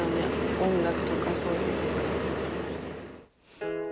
音楽とか、そういうの。